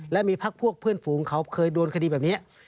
และมีพักพวกเพื่อนฝูงเขาเคยโดนคดีแบบนี้